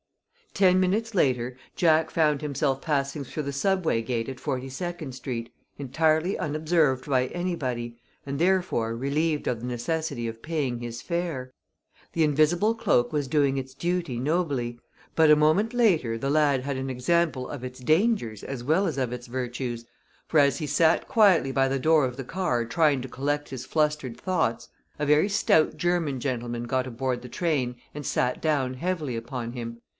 Ten minutes later Jack found himself passing through the Subway gate at Forty second Street, entirely unobserved by anybody, and therefore relieved of the necessity of paying his fare. The invisible cloak was doing its duty nobly, but a moment later the lad had an example of its dangers as well as of its virtues, for as he sat quietly by the door of the car trying to collect his flustered thoughts, a very stout German gentleman got aboard the train and sat down heavily upon him.